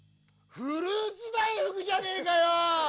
フルーツ大福じゃねえかよ！